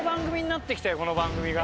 この番組が。